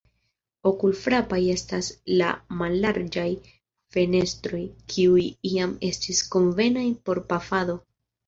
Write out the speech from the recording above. Okulfrapaj estas la mallarĝaj fenestroj, kiuj iam estis konvenaj por pafado.